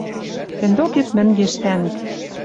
Тӹнь докет мӹнгеш, тӓнг.